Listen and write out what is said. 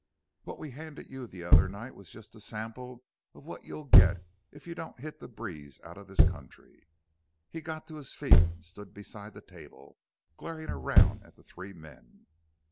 What we handed you the other night was just a sample of what you'll get if you don't hit the breeze out of this country!" He got to his feet and stood beside the table, glaring around at the three men.